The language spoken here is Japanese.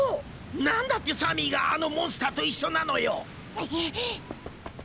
何だってサミーがあのモンスターと一緒なのよ？